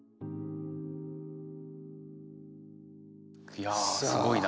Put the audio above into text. いやすごいな。